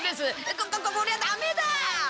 ここここりゃダメだ！